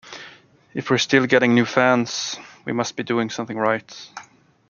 If we're still getting new fans, we must be doing something right.